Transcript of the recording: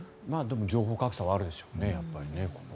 情報格差はあるんでしょうね。